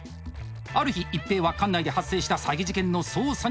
ある日一平は管内で発生した詐欺事件の捜査に向かいます。